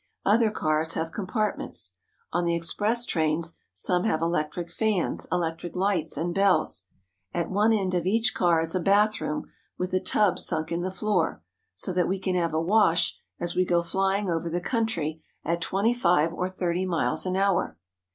Other cars have compartments. On the express trains some have electric fans, electric lights, and bells. At one end of each car is a bathroom with a tub sunk in the floor, so that we can have a wash as we go flying over the country at twenty five or thirty miles an hour.